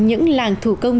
những làng thủ công